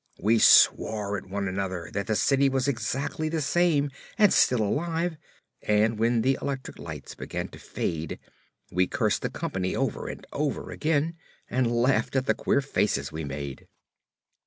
We swore to one another that the city was exactly the same, and still alive; and when the electric lights began to fade we cursed the company over and over again, and laughed at the queer faces we made.